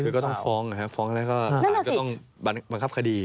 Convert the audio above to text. คือก็ต้องฟ้องนะครับฟ้องแล้วก็สารก็ต้องบังคับคดี